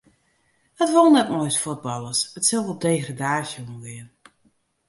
It wol net mei ús fuotballers, it sil wol op degradaasje oangean.